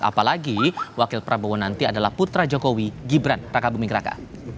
apalagi wakil prabowo nanti adalah putra jokowi gibran raka buming raka